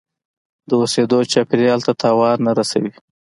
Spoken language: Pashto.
د اوسیدو چاپیریال ته تاوان نه رسوي.